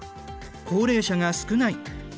高齢者が少ない。